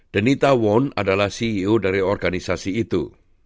danita wong adalah ceo dari organisasi itu